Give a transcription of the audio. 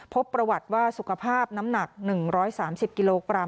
พบประวัติว่าสุขภาพน้ำหนักหนึ่งร้อยสามสิบกิโลกรัม